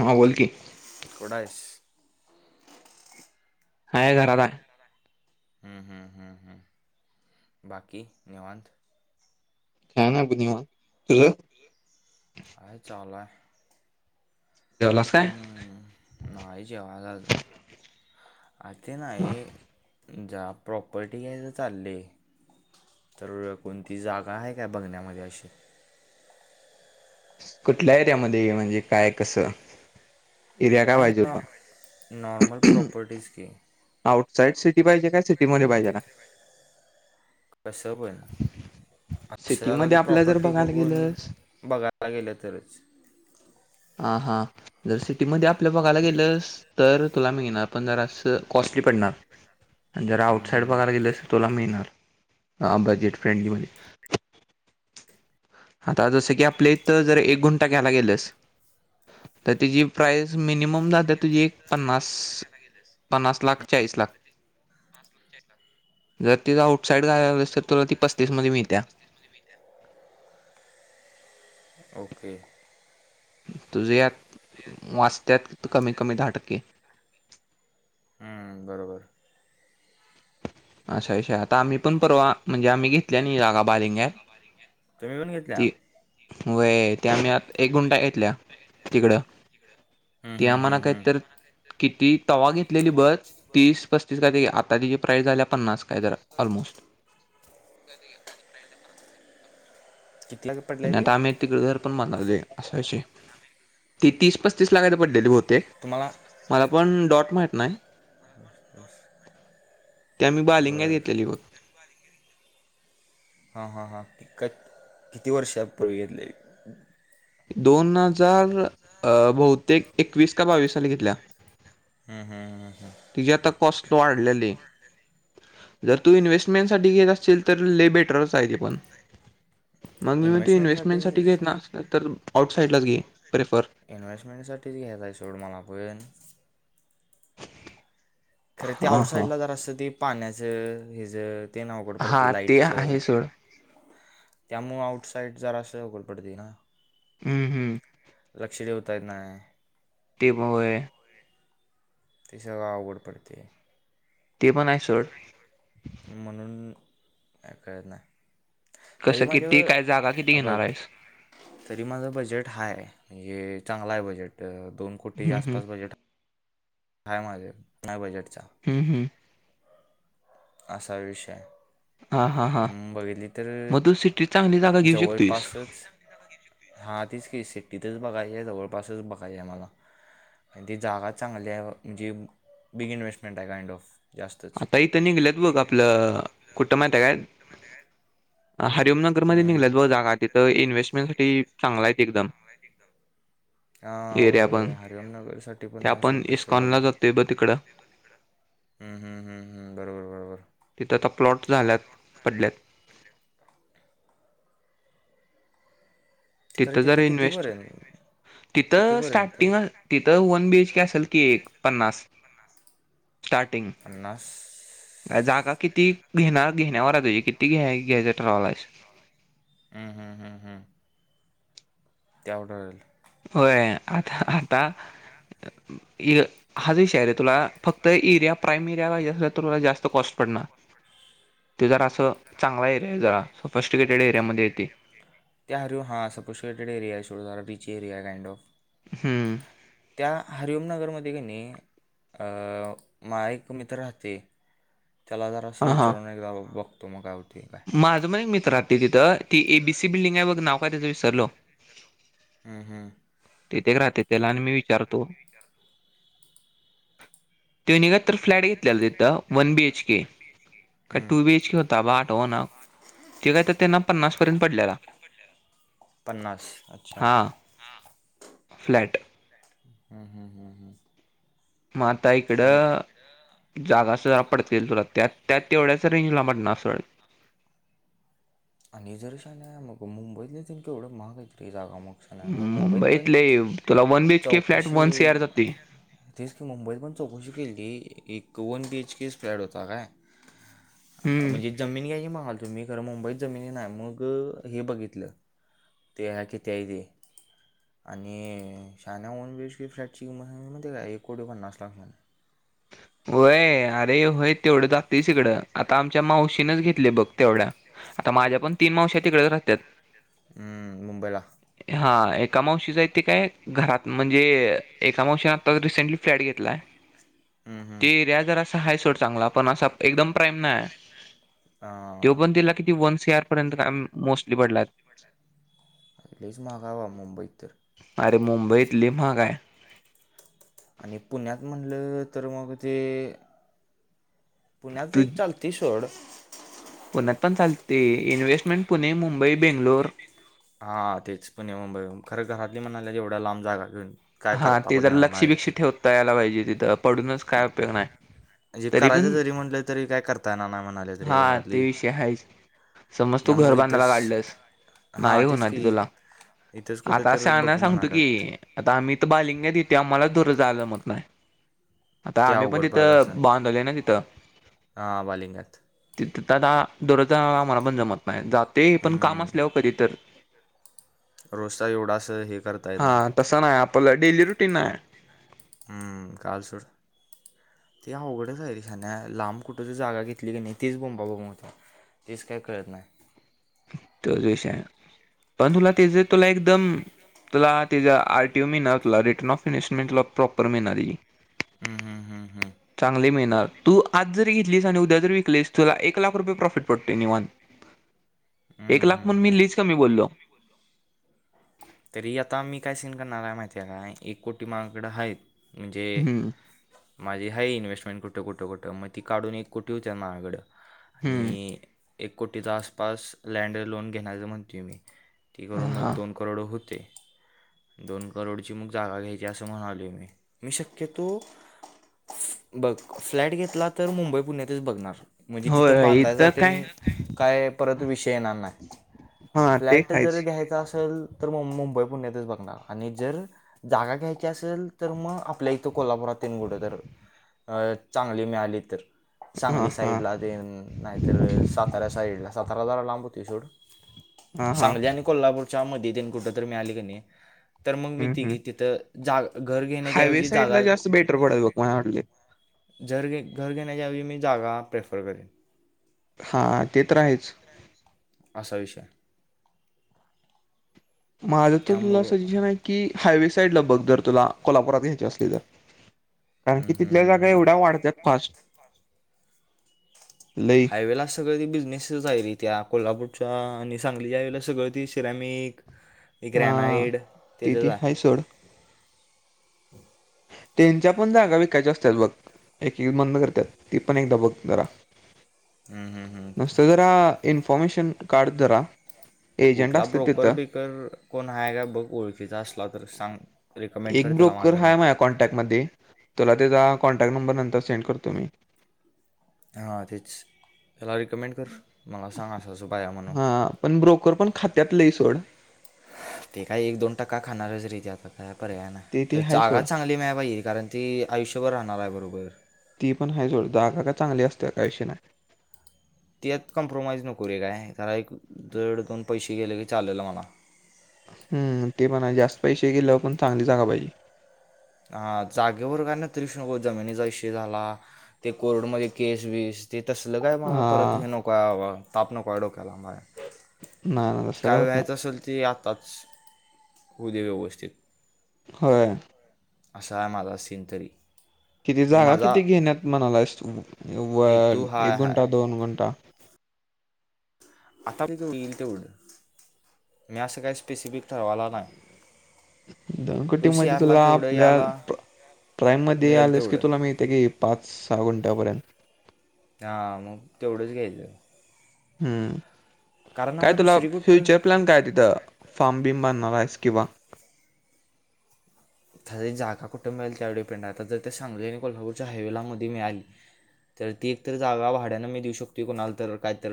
हां बोल की. कुठ आहेस. आहे घरात आहे. ह ह ह ह बाकी निवांत. काय नाही बग निवांत तुझं. आहेय चाल आहे. जेवलास काय. हम्म नाही जेव्हायलाल आ ते नाही. जा प्रॉपर्टी घ्यायचं चालय. तर कोणती जागा आहे काय बघण्यामध्ये अशी. कुठल्या एरियामध्ये म्हणजे काय कसं. एरिया काय पाहिजे होता? [unintelligible] नॉर्मल प्रॉपर्टीज क आउटसाईड सिटी पाहिजे काय सिटी मध्ये पाहिजे लाय. कसं प ना असं आता ती सिटीमध्ये आपल्या जर प्रॉपर्टी बघायला बघून. गेलंस बघायला गेलं तरच. हा हा जर सिटीमध्ये आपल्या बघायला गेलंस. तर तुला मिळणार पण जरा असं कॉस्टली पडणार. आणि जरा हम्म आउटसाईड बघायला हम्म गेलं अस तर तुला मिळणार बजेट फ्रेंडलीमधी. आता जसं की आपल्या इथं जर एक गुंटा घ्यायला गेलस. तर तिची प्राइज मिनिमम जात तुझी एक पन्नास पन्नास लाख चाळीस लाख. जर तिझं आउटसाईड झालेल असलं तर तुला ती पस्तीस मध्ये मिळत्या. ला मिळत्या. ओके. तुझे यात वाचतत कमी कमी दहा टक्के. हम्म बरोबर. असा विषय आता आम्ही पण परवा म्हणजे आम्ही घेतल्या नाही जागा बालिंग्यात. तुम्ही पन घेतल्या. वय त्या आम्ही एक गुंटा घेतल्या तिकडं. ती हम्म आम्हाला हम्म हम्म काहीत. किती तवा घेतलेली बग तीस पस्तीस का ते आता त्यािची प्राइस झाल्या पन्नास. काय जरा ऑलमोस्ट कितल्या. आणि आता आम्ही तिकडे घर पण बांधायले असं विषय तीस पस्तीस लागायला पडलेली बहुतेक. तुम्हाला. मला पण डॉट माहित नाही. Almost dot. त्या आम्ही बालिंगा घेतलेली बघ. हा हा हा की क किती वर्षांपूर्वी घेतली. दोन हजार अ बहुतेक एकवीस का बावीस साली घेतल्या. ह ह ह ह. तिजी आता काॅस्ट वाढल्या ले. जर तू इन्व्हेस्टमेंट साठी घेत असशील तर ले बेटरच आहे ते पण. मग मी म्हणतोय इन्व्हेस्टमेंटसाठी इन्व्हेस्टमेंट साठी घेत ना असलं तर आउटसाईडलाच घे प्रेफर. इन्व्हेस्टमेंटसाठीच घ्यायचा आहे सोड मला पण. खरं ते हा हा आउटसाईडला जरासं असं ते पाण्याचं हेज ते अवघड हा पडतंय ते लाईटच. आहे सोड त्यामुळं आउट साइड जरासं अवघड पडते ना. हम हम. लक्ष ठेवता येत नाय. ते ब होय. ते सगळं अवघड पडतंय. ते पण आहे सोड म्हणून काय कळत नाय. तरी कसं किती माझ्यावर काय जागा कित्येक अबग हाय घेणार किती आहेस येणार हाय. तरी माझं बजेट हाय हे चांगल आहे बजेट दोन कोटीच्या हम्म हम्म आसपास बजेट हा. हाय माझ नाही बजेटचा हम् हम्. असा विषय हाय. हा हा हा हम बघितली तर मग तू सिटीत चांगली जागा घेऊ शकतोयस जवळपासच. इथं बघितली होती हा तिचं सिटीतच बघायची आहे जवळपासच बघायचं मला आणि ती जागा चांगली आहे म्हणजे बिग इन्व्स्टमेंट आहे गाइंड ऑफ जास्त आता इथं निघल्यात बघ आपलं कुठं माहिती काय हरि ओम नाग. ऑफर मध्ये हम्म. निघल्यात बघ जागा तिथं इन्व्हेस्टमेंट साठी चांगल आहेत एकदम एकदम. एरिया पण हरिओमनगरसाठी पण त्या आहे सोड आपण तसं इस्कॉनला जातोय बघ तिकडं. [unintelligible] ह ह ह बरोबर बरोबर. तिथं आता प्लॉट झाल्यात पडल्यात. खरं तिथं जर इन्व्हेस्ट कितीपर्यंत तिथं कितीपर्यंत स्टार्टिंग तिथं वन बीएच के असेल की एक पन्नास स्टार्ट तीन पन्नास जागा किती घेण्यावर देण्यावर हाय किती घ्या घ्यायच. ट्रल अस [unintelligible] हम हम हम. त्या ऑर्डरल होय आता आता ये हाच विषय हाय रं. अला एया प्र असला तर तुला जास्त कॉस्ट पडणार जास्तॉ [unintelligible] ते जरासं असं चांगला एरिया आहे जरा फस्टग्रेटेड एरियामध्ये येतंय. त्या हरीव हा सपोशकेटेड एरिया आहे सोड रिची एरिया आहे काइंड ऑफ हम्म. त्या हरिओमनगरमध्ये की नाही. अ माइक मित्र राहते. त्याला जरा असं हां विचारून एकदा बघतो मग काय होतंय काय? माझं पण एक मित्र राहतय तिथं ती एबीसी बिल्डिंग आहे बघ नाव काय त्याचं विसरलो. हम हम. तेथे एक राहतय त्याला आणि मी विचारतो ते निघ. तर फ्लॅट घेतलेला तिथं वन बीएच केे का हम्म. टू बीएच के होता बा आठवण. ते काय तर त्यांना पन्नास पर्यंत पडल्याला. पन्नास अच्छा. हा फ्लॅट. फ्लॅट हम् हम् हम्. म आता इकडं. जागा असं ज पडत्याल तुला त्या त्या तेवढ्याच रेंजला पडणार सोड. आणि जर शान्या मग मुंबईतले तेन केवढं महाग हायत की जागा मग शान्या मग मुंबईत पण मुंबईतले तुला one B H K flat one C चौकशी आर जाते तीच की मुंबईत पण चौकशी केली एक वन बी एच के च फ्लॅट होता काय? हम्म म्हणजे जमीन घ्यायची म्हणालं तुम्ही खरं मुंबईत जमिनी नाय मग हे बघितलं ते ह किती आहे ते आणि शहाण्या वन बी एच के फ्लॅटची किंमत काय हाय म्हायते काय एक कोटी पन्नास लाखान होय अरे होय तेवढं जातंयच हिकडं आता आमच्या मावशीनच घेतलय बघ तेवढ्या आता माझ्या पण तीन मावश्या तिकडच राहत्यात. हम्म मुंबईला हा एका मावशीच हाय ते काय घरात म्हणजे एका मावशीनं आत्ताच रिसेंटली फ्लॅट घेतलाय. हम्म, हम्म. ते एरिया जरा असा हाय सोड चांगला पण असा एकदम प्राईम नाय त्यो हां पण तीला किती वन सी आर पर्यंत का मोस्टली पडलात लयच महाग हाय बाबा मुंबईत तर अरे मुंबईत लय महाग हाय. आणि पुण्यात म्हणलं तर मग ते पुण्यात तू एक चालत ती सोड पुण्यात पण चालते इन्व्हेस्टमेंट पुणे, मुंबई, बेंगलोर हा तेच पुणे, मुंबई खरं घरातली म्हणाल्यात एवढ्या लांब जागा घेऊन काय हा करता ते पण जरा येणार लक्ष नाही बिक्ष ते ठेवता यायला पाहिजे तिथं पडूनच काय उपयोग नाय. जे करायच जरी म्हटलं तरी काय करताय येणार नाय म्हणाल हा ते विषय हायच समज तू घर त्यामुळे बांधायला इथंच काढलस नाही हां तेच होणार की ती तुला इथंच कुठं आता तर शाण्या बघ सांगतो की म्हणाल्यात आता आम्ही इथं बालिंग्यात इतूय आम्हालाच दूर जायला जमत नाय. आता ते आम्ही पण अवघड तिथं बांधवले ना तिथं हा बालिंग्यात तिथ त आता दररोज आम्हाला पण जमत नाय जातोय पण काम हम्म. असल्याव कधी तर. रोजसा एवढा असं हे करता येत हा नाय. तसं नाही आपलं डेली रुटीन हाय. हम कळाल सोड. ते अवघडच आहे शान्या लांब कुठं तर जागा घेतली की नाही तीच बोंबाबोंब होत्या. तेच काय कळत नाय. त्योच विषय हाय पण तुला तेज तुला एकदम तुला त्येचा आर टी ओ मिळणार तुला रिटर्न ऑफ इन्हेस्टमेंटल तुला प्रॉपर मिळणार. हम्म हम् हम हम् चांगले मिळणार तू आज जरी घेतलीस आणि उद्या जर विकलीस तुला एक लाख रुपये प्रॉफिट पडतोय निवांत. हम्म, एक लाख हम्म, पण मी हम्म. लयच कमी बोललो. तरी आता मी काय सीन करणार हाय माहिते काय एक कोटी मायाकडं आहेत म्हणजे हम्म माझी हाय इन्स्टमेंट कुठं कुठं कुठं मग ती काढून एक कोटी हुत्यात मायाकडं. हम्म आणि एक कोटीचा आसपास लँड लोन घेण्याचं म्हणतोय मी ती करून मग हा दोन करोडं होतंय. दोन करोडची मग जागा घ्यायची असं म्हणालोय मी मी शक्यतो बघ फ्लॅट घेतला तर मुंबई पुण्यातच बघणार. म्हणजे तिथं होय बांधायाचा इथं काय तेन काय परत विषय येणार नाय. हा ते फ्लॅट जर खायच घ्यायचा असेल तर म मुंबई पुण्यातच बघणार आणि जर जागा घ्यायची असेल तर मग आपल्या इथं कोल्हापुरात तेन कुठं तर अ चांगली मिळाली तर हा सांगली हा साईडला तेन नाहीतर साताऱ्या साईडला सातारा जरा लांब होतय सोड. हा हा सांगली आणि कोल्हापूरच्या मधी तेन कुठं तर मिळाली की नी तर मग मी हम्म हम्म तिघी तिथं जागा घर घेण्याच्या हायवे ऐवजी जागा साईडला जास्त बेटर पडत बघ मला वाटलं जर घर घेण्याच्याऐवजी मी जागा प्रेफर करेन. हां ते तर आहेच. असा विषय हाय. माझ तर तुला त्यामुळं सजेशन आहे की हायवे साईडला बघ जर तुला कोल्हापुरात घ्यायची असली तर. कारण कि हम्म, हम्म, तिथल्या हम्म, जागा हम्म. एवढ्या वाढत्यात फास्ट लई हायवेला अस सगंळ ते बिजनेस च आहे रे त्या कोल्हापूरच्या आणि सांगलीच्या हायवेला सगळं ती सिऱ्यामीक हा ति ती हाय आहे सोड. तेनच्या पण जागा विकायच्या असतात बघ. एक एक बंद करत्यात ती पण एकदा बघ जरा. हम्म, हम्म, हम्म. नुसतं जरा इन्फॉरमेशन काढ जरा. एजंट कुठला असत्यात ब्रोकर तिथं. बीकर कोण हाय का बघ ओळखीचा असला तर सांग रेिकमेंड कर एक त्याला ब्रोकर माझं नाव हाय माझ्या कॉन्टॅक्टमध्ये तुला त्याचा कॉन्टॅक्ट नंबर नंतर सेंड करतो मी. हा तेच याला रिकमेंड कर मला सांगा अस असं बाया म्हणून. हां पण ब्रोकर पण खात्यात लय सोड. ते काय एक दोन टक्का खाणारच रे आता काय पर्याय ते ती नाय हाय जागा सोड. चांगली मिळायला पाहिजे. ती आयुष्यभर राहणार आहे बरोबर. ती पण हाय सोड जागा काय चांगली असत्या काय विषय नाय त्यात कॉम्प्रोमाइज नको रे काय ऐक जड दोन पैसे गेलेले चालल मला. हम्म ते पण आहे जास्त पैसे गेल्यावर पण चांगली जागा पाहिजे. हा जागेवर काय तरास नको जमिनीचा विषय झाला ते कोर्टमध्ये केस बीस ते तसल काय मला परत हां. हे नकोय बाबा ताप नकोय डोक्याला मला नाही, नाही तसलं काय होत नाही. व्हायचं असेल ते आताच होऊ दे व्यवस्थित होय. असा हाय माझा सीन तरी किती जागा माझा किती घेण्यात म्हणालायस तू व हेतू हा एक आहे गुंठा दोन गुंठा आता हो येईल तेवढं मी असं काही स्पेसिफिक ठरवाला नाही दोन कोुटी टू सी मध्ये आरला तुला केवढं आपल्या याला ट्राईम मध्ये मिळेल आलेस की तेवढं तुला मीथे की पाच सहा घुंट्यापर्यंत हा मग तेवढंच घ्यायच हम्म कारण काय आता तुला दुसरी कुठं फ्युचर प्लॅन काय तिथं फार्मबिं बांणार आहेस किंवा जाऊदे जागा कुठं मिळेल त्यावर डिपेंड आता जर त्या सांगली आणि कोल्हापूरच्या हायवेला मध्ये मिळाली तर ती एकत तर जागा भाड्यानं मी देऊ शकतोय कोणाला तर काय तर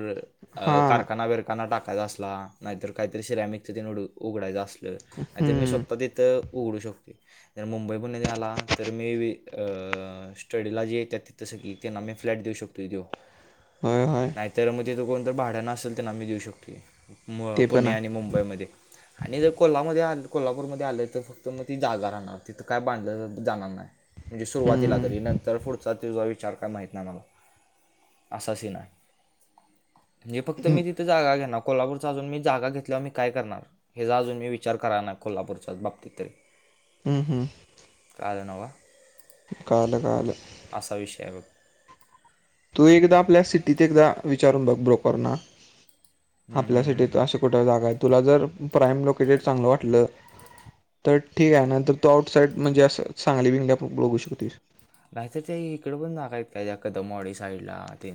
अ हां. कारखाना बिरखाना टाकायचा असला नाहीतर काहीतरी सिरॅमिकच तेन उघडायचा असला. आणि तर मी हं. स्वतः तिथं उघडू शकतोय. जर मुंबईपुण्यात झाला तर मी अ स्टडीला जे येत्यात तिथ सगळी त्यांना मी फ्लॅट देऊ शकतो. देऊ होय, होय. नाहीतर मग तिथ कोण तर भाड्यान असेल त्यांना मी देऊ शकतोय. म ते पण पुणे आणि आहे. मुंबईमध्ये आणि जर कोल्हामध्ये आल कोल्हापूरमध्ये आलं तर फक्त मग ती जागा राहणार तिथं काय बांधलं जाणार नाही म्हणजे सुरुवातीला हं. तरी नंतर पुढच तर तुझा विचार काय माहीत नाही मला असा सीन आहे. म्हणजे फक्त हं, मी तिथ जागा घेणार कोल्हापूरच अजून मी जागा घेतल्यावर मी काय करणार हेचा अजून मी विचार कराय नाय कोल्हापूरच्या बाबतीत तरी हम् हम् काल नवका कळाल कळाल असा विषय आहे बघतो तू एकदा आपल्या सिटीत एकदा विचारून बघ ब्रोकरना हम्म, आपल्या हम्म, हम्म, सिटत हम्म. अशा कुठे जागा आहे तुला जर प्राईम लोकेटेड चांगलं वाटलं तर ठीक आहे नंतर तू आउटसाईड म्हणजे असं सांगली बिंगली आपण बघू शकतेस नाहीतं ते इकडं पण नाकायत कायखदमॉडी साईडला ते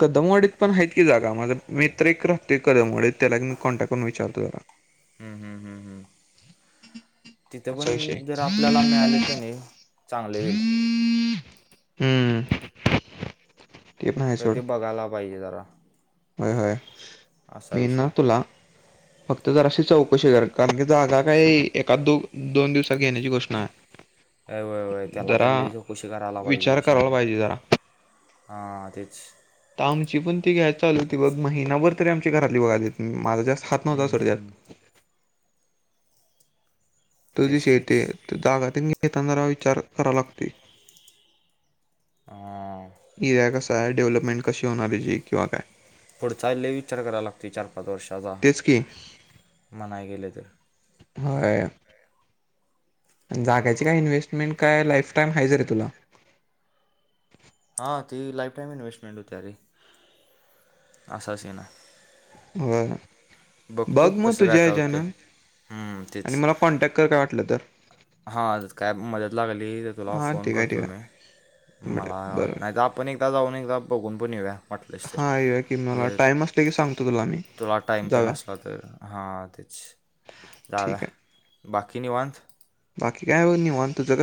कदमवाडीत पण आहेत की जागा माझा मित्र एक राहते कदमवडीत त्याला मी कॉन्टॅक्ट करून विचारतो जला हम्म हम् हम्म हम् तिथं असा विषय पण जर आपल्याला मिळालेत का नाही चांगले होल हमंम कधी बघायला पाहिजे जरा होय होय असा मी ना विषय आहे तुला फक्त जर अशी चौकशी कर कारण की जागा काही एका दो दोन दिवसात घेण्याची घोषणा आहे [unintelligible] अ वयय त्याला तर लिई चौकशी करायला विचार पाहिजे करायला सांध्या पाहिजे जरा हा तेच तर आमची पण ती घ्यायला चाल होती बघ महिनाभर तरी आमची घरातली बघाली माझा जास्त हात नव्हता हम्म, सडत्यात हम्म. तो ती तेच शेते तेच जागा घतानारा विचार करावा लागते हा एरिया कसा आहे डेव्हलपमेंट कशी होणारी जी किंवा काय पुढ चालले विचार करायला लागतो चार पाच वर्षाचा तेच की म्हणाय गेले तर ह जाग्याची कायन्हेस्टमेंट काय लाईफाईम आहेयच रे तुला हां ती लाईफ टाइम इन्वेस्टमेंट होते अे अस स येना हो बघतो बघ मग कसं काय तुझ्या काय हच्यान होते हम्म, आणि तेच मला कॉन्टॅक्ट कर काय वाटलं तर हां कायब मदत लागली तर तुला हां फोन ठीक आहे ठीक करतो मी आहे मला बरं बरं नाही तर आप पण एक तदा जाऊ आणि एक तदा पपघुमूनण हो क्या म्हटलंर हां येऊया की मला ज टाईम असले की सांगतो तुला मी तुला टाइम ते जाऊया नसला तर हां तेच जागा ठीक आहे बाकी नि वाांध बाकी काय निन तुग